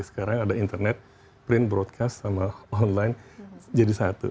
sekarang ada internet print broadcast sama online jadi satu